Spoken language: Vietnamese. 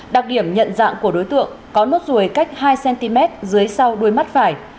đặc điểm nhận dạng của đối tượng có nốt ruồi cách hai cm dưới sau đuôi mắt phải